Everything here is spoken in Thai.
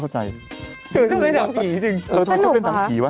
อย่าจ้าง